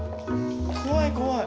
怖い怖い。